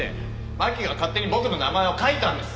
真希が勝手に僕の名前を書いたんです。